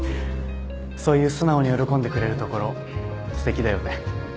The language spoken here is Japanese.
そういう素直に喜んでくれるところすてきだよね。